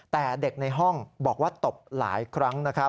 แต่เด็กในห้องบอกว่าตบหลายครั้งนะครับ